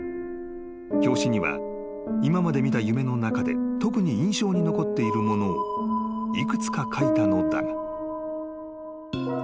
［表紙には今まで見た夢の中で特に印象に残っているものを幾つか書いたのだが］